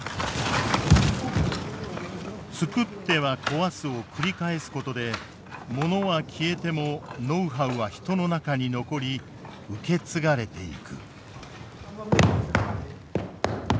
つくっては壊すを繰り返すことでものは消えてもノウハウは人の中に残り受け継がれていく。